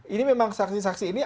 ini memang saksi saksi ini